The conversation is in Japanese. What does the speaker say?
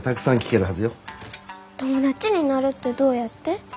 友達になるってどうやって？